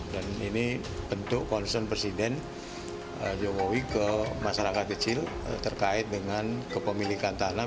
dan ini bentuk konsen presiden jokowi ke masyarakat kecil terkait dengan kepemilikan tanah